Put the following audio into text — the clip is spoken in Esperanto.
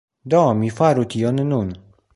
Do mi faru tion nun.